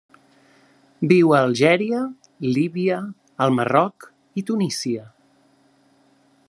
Viu a Algèria, Líbia, el Marroc i Tunísia.